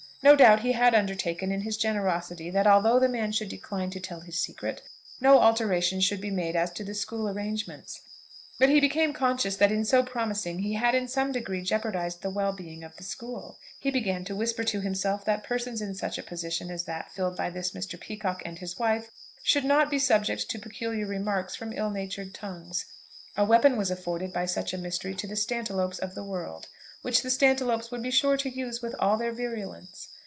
No doubt he had undertaken, in his generosity, that although the man should decline to tell his secret, no alteration should be made as to the school arrangements; but he became conscious that in so promising he had in some degree jeopardised the well being of the school. He began to whisper to himself that persons in such a position as that filled by this Mr. Peacocke and his wife should not be subject to peculiar remarks from ill natured tongues. A weapon was afforded by such a mystery to the Stantiloups of the world, which the Stantiloups would be sure to use with all their virulence.